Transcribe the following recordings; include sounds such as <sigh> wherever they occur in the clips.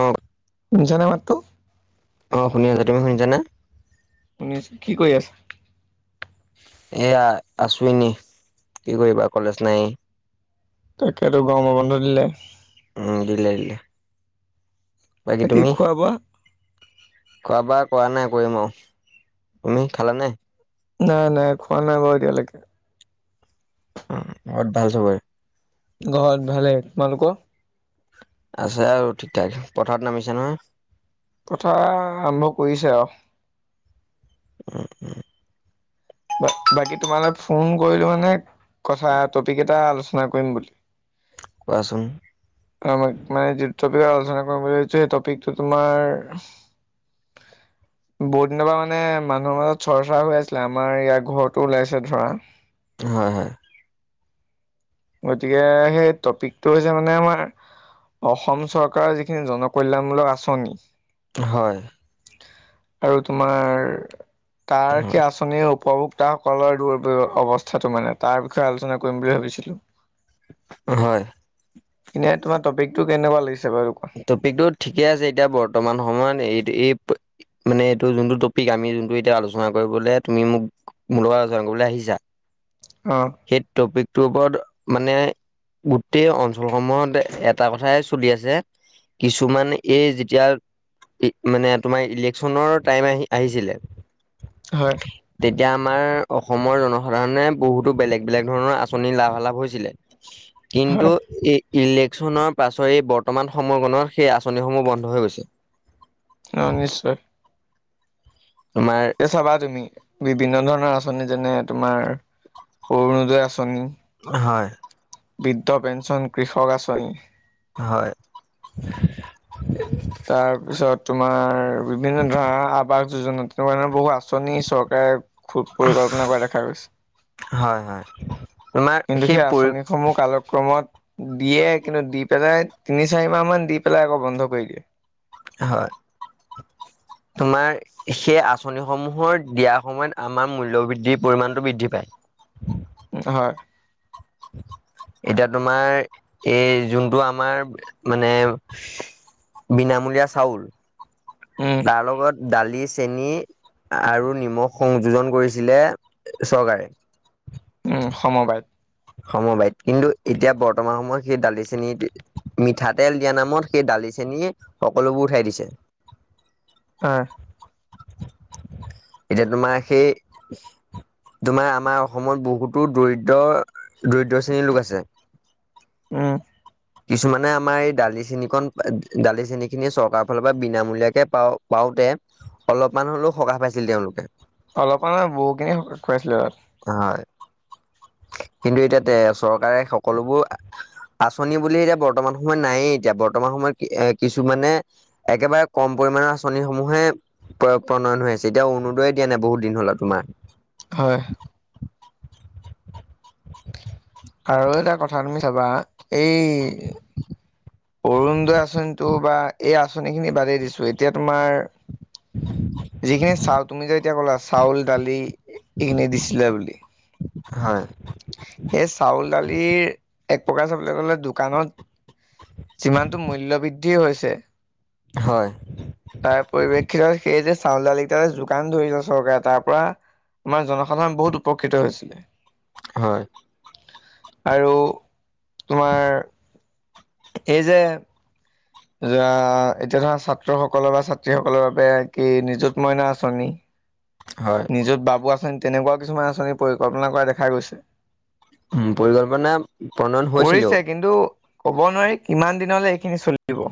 অ শুনিছেনে মাত টো অ' শুনি আছা তুমি শুনিছানে শুনি আ কি কৰি আছা এয়া আছ ন কি কৰিবা কলেজ নাই তাকেতো গৰম বন্ধ দিলে উম দিল ইল বাকী তুমি খোৱা বোৱা খোৱা বোৱা কৰা নাই কৰিম আৰু তুমি খালাানে? নাই নাই খোৱা নাই বাৰু এতিয়ালৈকে। ঘৰত ভাল চবৰে ঘৰত ভালেই তোমালোকৰ আছে আৰু ঠিক ঠাক পথাৰত নামিছে নহয় কথা আৰম্ভ কৰিছে আৰু <inaudible> বাকী তোমালৈ ফোন কৰিলো মানে কথা টপিক এটা আলোচনা কৰিম বুলি। কোৱাচোন আমাক মানে যে টপিক আলোচনা কৰিম বুলি ভাবিছো সেই টপিকটো তোমাৰ। বহুত দিনৰ পৰা মানে মানুহৰ মাজত চৰ্চৰা হৈ আছিলে। আমাৰ ইয়াৰ ঘৰতো ওলাইছে ধৰা হয় হয় গতিকে সেই টপিকটো হৈছে মানে আমাৰ অসম চৰকাৰৰ যিখিনি জনকল্যাণমূলক আঁচনি হয় আৰু তোমাৰ তাৰ হয় সেই আঁচনি উপভোগ তা সকলৰ দৰে অৱস্থাটো মানে তাৰ বিষয়ে আলোচনা কৰিম বুলি ভাবিছিলো হয় এনেই তোমাৰ টপিকটো কেনেকুৱা লাগছে টপিকটো ঠিকে আছে এতিয়া বৰ্তমান সময়ত এই এই মানে এইটো যোনটো টপিক আমি যোনটো এতিয়া আলোচনা কৰিবলৈ তুমি মোক মোৰ লগত আলোচনা কৰিবলৈ আহিছা। অ' সেই টপিক ইটো ওপৰত মানে গোটেই অঞ্চলসমূহত এটা কথাই চলি আছে। কিছুমান এই যেতিয়া। মানে তোমাৰ ইলেকচনৰ টাইম অহ আহিছিলে হয় এতিয়া আমাৰ অসমৰ জনসাধাৰণে বহুতো বেলেগ বেলেগ ধৰণৰ আঁচনি লাভালাভ হৈছিলে হয় কিন্তু এই ইলেকশ্যনৰ পাছৰে বৰ বৰ্তমান সময়কণত সেই আঁচনিসমূহ বন্ধ হৈ গৈছে অ নিশ্চয় তোমাৰ তুমি বিভিন্ন ধৰণৰ আচনি যেনে তোমাৰ অৰুণোদয় আঁচনি হয়। বৃদ্ধ পেঞ্চন, কৃষক আঁচনি। হয় তাৰপিছত তোমাৰ বিভিন্ন ধৰা আৱাস যোজনা তেনেকুৱা ধৰণৰ বহু আঁচনি চৰকাৰে খুব পৰিকল্পনা কৰা দেখা গৈছে। হয় হয় তোমাৰ কিন্তু সেই পৰি আঁচনিসমূহ কাইল ক্ৰমত দিয়ে কিন্তু দি পেলাই তিনি চাৰি মাহ মান দি পেলাই আকৌ বন্ধ কৰি দিয়ে। হয় <inaudible> তোমাৰ সেই আঁচনিসমূহৰ দিয়াৰ সময়ত আমাৰ মূল্যবৃদ্ধিৰ পৰিমাণটো বৃদ্ধি পায়। হয় <unintelligible> এতিয়া তোমাৰ এই যোনটো আমাৰ মানে বিনামূলীয়া চাউল। উম, তাৰ লগত দালি চেনি আৰু নিমখ সংযোজন কৰিছিলে চৰকাৰে উম সমবায়ত সমবায়িত কিন্তু এতিয়া বৰ্তমান সময়ত সেই দালি চেনী মিঠাতেল দিয়া নামত সেই দালি চেনীয়ে সকলোবোৰ উঠাই দিছে। অহ। এতিয়া তোমাৰ সেই তোমাৰ আমাৰ অসমত বহুতো দৰিদ্ৰ দৰিদ্ৰ শ্ৰেণীৰ লোক আছে উম। কিছুমানে আমাৰ এই দালি চেনীকন দালি, চেনী খিনি চৰকাৰৰ ফালৰ পৰা বিনামূলীয়াকে পাওঁ পাওঁ দেৱ অলপমান হ'লেও সকাহ পাইছিল তেওঁলোকে অলপমানা বহুখিনি খুৱাইছিলো তাত হয় কিন্তু এতিয়া তে চৰকাৰে সকলোবোৰ আঁচনি বুলি এতিয়া বৰ্তমান সময়ত নায়েই এতিয়া বৰ্তমান সময়ত এ কিছু মানে একেবাৰে কম পৰি পৰিমাণৰ আঁচনিসমূহে প্ৰণয়ন হৈ আছে এতিয়া অৰুণোদয় দিয়া নাই বহুতদিন হ'লেও তোমাৰ হয় <inaudible> আৰু এটা কথা তুমি চাবা এই অৰুণোদয় আঁচনিটো বা এই আঁচনি খিনি বাদেই দিছো এতিয়া তোমাৰ <inaudible> যিখিনি চাউল তুমি যে এতিয়া কলা চাউল দালি এইখিনি দিছিলা বুলি হয় সেই চাউল দালিৰ। এক প্ৰকাৰ চাবলৈ গলে দোকানত যিমানটো মূল্যবৃদ্ধি হৈছে হয় তাৰ পৰিপ্ৰেক্ষিতত সেই যে চাউল দাল কেইটাৰ যোগান ধৰিলে চৰকাৰে তাৰ পৰা আমাৰ জনসাধাৰণ বহুত উপকৃত হৈছিলে। হয়। আৰু তোমাৰ। এই যে যোৱা এতিয়া ধৰা ছাত্ৰসকলৰ বা ছাত্ৰীসকলৰ বাবে কি নিযুত মইনা আঁচনি। হয় নিজত বাবু আঁচনি তেনেকুৱাও কিছুমান আঁচনিৰ পৰিকল্পনা কৰা দেখা গৈছে। উ পৰিকল্পনা প্ৰণয়ন হৈছিলেও। কৰিছে কিন্তু ক'ব নোৱাৰি কিমান দিনলৈ এইখিনি চলিব।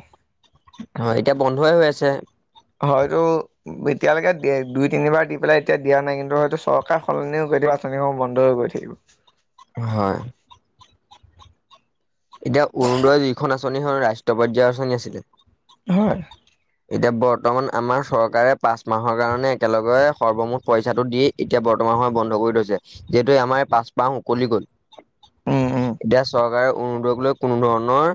হয় এতিয়া বন্ধয়ে হৈ আছে। হয়টো এতিয়ালৈকে দ দুই তিনিবাৰ দি পেলাই এতিয়া দিয়া নাই কিন্তু হয়তো চৰকাৰ সলনিও কেতিয়াবা আঁচনিসমূহন্ধ হৈ গছে। থাকিব। হয়। এতিয়া অৰুণোদই যিখন আচনি হয় ৰাষ্ট্ৰীয় পৰ্য্যায়ৰ আচনি আছিলে। হয় এতিয়া বৰ্ত মান আমাৰ চৰকাৰে পাঁচ মাহৰ কাৰণে একেলগে সৰ্বমুঠ পইচাটো দি এতিয়া বৰ্তমান সময় বন্ধ কৰি কৰি থৈছে। যিহেতু এই আমাৰ পাঁচমাহ উকলি গ'ল। উম উম এতিয়া চৰকাৰে অৰুনোদইক লৈ কোনোধৰণৰ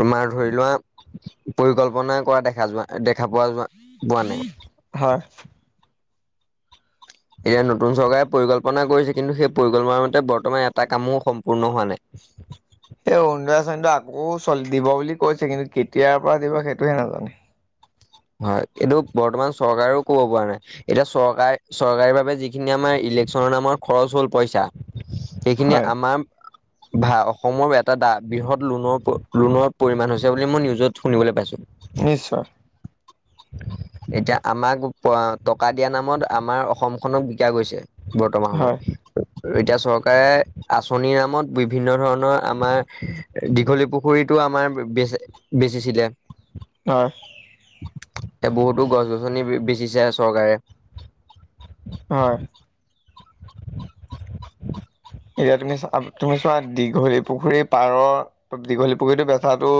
তোমাৰ ধৰি লোৱা পৰিকল্পনা কৰা দেখা যোৱা দেখা পোৱা যোৱা পোৱা নাই। হয় এতিয়া নতুন চৰকাৰে পৰিকল্পনা কৰিছে কিন্তু সেই পৰিকল্পনা মতে বৰ্তমান এটা কামো সম্পূৰ্ণ হোৱা নাই। <inaudible> সেই অৰুণোদয় <unintelligible> দিব বুলি কৈছে কিন্তু কেতিয়াৰ পৰা দিব সেইটোহে নাজানে। হয় এইটো বৰ্তমান চৰকাৰেও কব পৰা নাই। এতিয়া চৰকাৰে চৰকাৰী বাবে যিখিনি আমাৰ ই ইলেকচনৰ নামৰ খৰচ হ'ল পইচা, সেইখিনি হয় আমাৰ ভা অসমৰ এটা বৃহৎ লোনৰ প লোনৰ পৰিমান হৈছে বুলি মই নিউজত শুনিবলৈ পাইছো। নিশ্চয়। এতিয়া আমাক <unintelligible> টকা দিয়া নামত আমাৰ অসমখনক বিকা গৈছে বৰ্তমান হয় সময়ত। এতিয়া চৰকাৰে আচনিৰ নামত বিভিন্ন ধৰণৰ আমাৰ দীঘলী পুখুৰীত তো আমাৰ বেচে বেচিছিলে। <unintelligible> এতিয়া বহুতো গছ -গছনি বে-বেচিছে আ চৰকাৰে। হয়। এতিয়া তুমি চা -তুমি চোৱা দীঘলী পুখুৰীৰ পাৰৰ দীঘলী পুখুৰীটো বেচাটো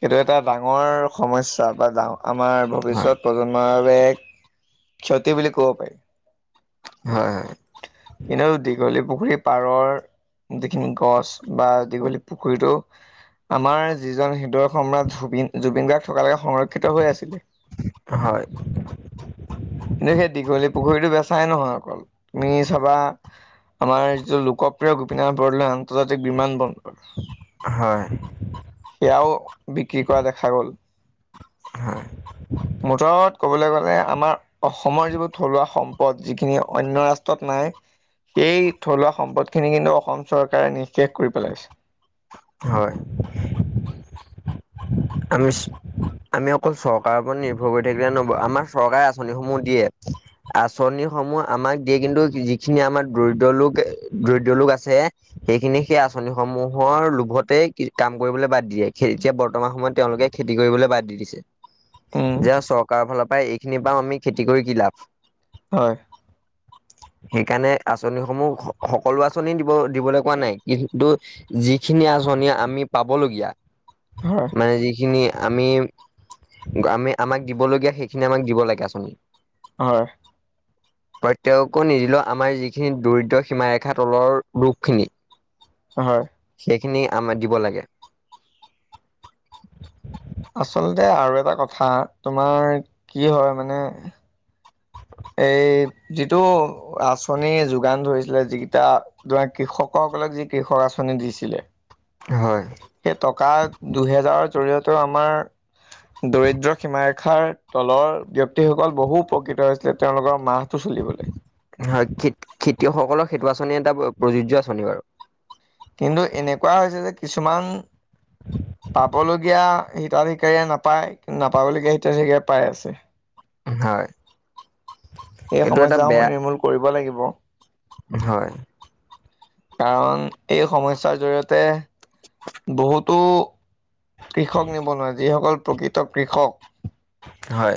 সেইটো এটা ডাঙৰ সমস্যা বা ডাঙ আমাৰ হয় ভৱিষ্যত প্ৰজন্মৰ বাবে এক ক্ষতি বুলি ক'ব পাৰি। হয় এনেও দীঘলী পুখুৰীৰ পাৰৰ যিখিনি গছ বা দীঘলী পুখুৰীটো আমাৰ যিজন হৃদয় সম্ৰাট ধ্ৰুবিন জুবিন গাৰ্গ থকালৈকে সংৰক্ষ ক্ষিত হৈ আছিলে। হয় কিন্তু সেই দীঘলী পুখুৰীটো বেচাই নহ অকল তুমি চাবা আমাৰ যিটো লোকপ্ৰিয় গোপীনাথ বৰদলৈ আন্তৰ্জাতিক বিমান বন্দৰ হয় সেয়াও বিক্ৰী কৰা দেখা গ'ল। মুঠত হয়। ক'বলৈ গ'লে আমাৰ অসমৰ যিবোৰ থলুৱা সম্পদ যিখিনি অন্য ৰাষ্ট্ৰত নাই এই থলুৱা সম্পদ খিনি কিন্তু অসম চৰকাৰে নিঃশেষ কৰি পেলাইছে। হয় আমি চ আমি অকল চৰকাৰৰ ওপৰত নিৰ্ভৰ কৰি থাকিলে নহ'ব আমাৰ চৰকাৰে আঁচনিসমূহ দিয়ে। আঁচনিসমূহ আমাক দিয়ে কিন্তু যিখিনি আমাৰ দৰিদ্ৰ লোক দৰিদ্ৰ লোক আছে সেইখিনিক সেই আঁচনিসমূহ মূহৰ লোভতে কাম কৰিবলৈ বাদ দিয়ে। এতিয়া বৰ্তমান সময়ত তেওঁলোকে খেতি কৰিবলৈ বাদ দি দিছে। উম, যে চৰকাৰৰ ফালৰ পৰাই এইখিনি পাওঁ আমি খেতি কৰি কি লাভ? হয়। সেইকাণে আঁচনিসমূহ সকলো আঁচনি দিব দিবলৈ কোৱা নাই কিন্তু যিখিনি আঁচনি আমি পাবলগীয়া হয়, মানে যিখিনি আমি আমাক দিবলগীয়া সেইখিনি আমাক দিব লাগে আচল হয়। প্ৰত্যেককো নিদিলেও আমাৰ যিখিনি দৰিদ্ৰ সীমাৰেখা তলৰ লোকখিনি হয়। সেইখিনি আমাক দিব লাগে। আচলতে আৰু এটা কথা, তোমাৰ কি হয় মানে। এই যিটো আচঁনি যোগান ধৰিছিলে যিকেইটা ধৰা কৃষকক। বোলে যি কৃষক আঁচনি দিছিলে। হয়। ত' আমাৰ। দৰিদ্ৰ সীমাৰেখাৰ তলৰ ব্যক্তিসকল বহু উপকৃত হৈছিলে তেওঁলোকৰ মাহ হয়, খে-খেতিয়কসকলৰ সেইটো আঁচনি এটা প্ৰযোজ্য আঁচনি বাৰু। কিন্তু এনেকুৱা হৈছে যে কিছুমান। পাবলগীয়া হিতাধিকাৰীয়ে নাপায় কিন্তু নাপাবলগীয়া হিতাধিকাৰীয়ে পাই আছে। হয়। এই এইটো এটা সমস্যাসমূহ বেয়া নিৰ্মূল কৰিব লাগিব। হয়। কাৰণ এই সমস্যাৰ জৰিয়তে বহুতো। কৃষক নিবনুৱা যিসকল প্ৰকৃত কৃষক। হয়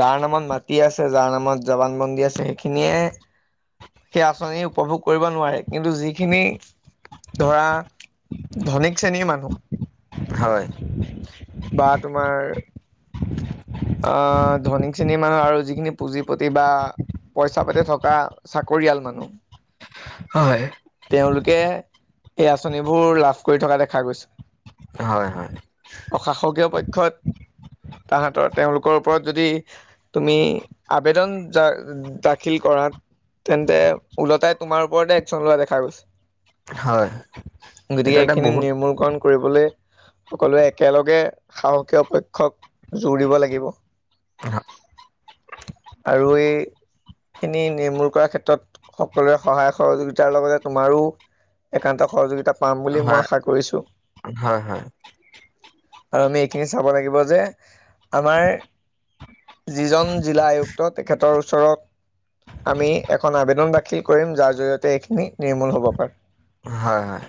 যাৰ নামত মাত কি আছে যাৰ নামত জৱান বন্দী আছে এইখিনিয়ে। সেই আঁচনি উপভোগ কৰিব নোৱাৰে কিন্তু যি যিখিনি, ধৰা, ধনিক শ্ৰেণীৰ মানুহ। হয় বা তোমাৰ আহ ধনীক শ্ৰেণীৰ মানুহ আৰু যিখিনি পুঁজি পতি বা পইচা পাতি থকা চাকৰিয়াল মানুহ। হয় তেওঁলোকে, সেই আঁচনিবোৰ লাভ কৰি থকা দেখা গৈছে। হয় হয় অশাসকীয় পক্ষত, তাহাতৰ তেওঁলোকৰ ওপৰত যদি, তুমি আবেদন যা-দাখিল কৰা। তেন্তে ওলটাই তোমাৰ ওপৰতে একশচন লোৱা দেখা গৈছে। হয় গতিকে এইটো এটা এইখিনি বহুত নিৰ্মূলকৰন কৰিবলে। সকলোৱে একেলগে সাহসীয় পক্ষক জোৰ দিব লাগিব। হয় আৰু এই খিনি নিৰ্মূল কৰাৰ ক্ষেত্ৰত সকলোৰে সহায় সহযোগিতাৰ লগতে তোমাৰো একান্ত সহযোগিতা পাম বুলি মই হয় আশা কৰিছো। হয় আৰু আমি এইখিনি চাব লাগিব যে আমাৰ, যিজন জিলা আয়ুক্ত তেখেতৰ ওচৰত। আমি এখন আবেদন দাখিল কৰিম যাৰ জৰিয়তে এইখিনি নিৰ্মূল হব পাৰে। হয় হয়,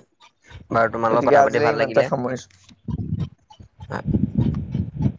বাৰু তোমাৰ লগত গতিকে কথা পাতি আজিলৈ ভাল ইমানতে লাগিলে। সামৰিছোঁ <unintelligible>